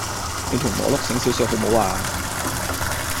你條磨碌醒少少好無呀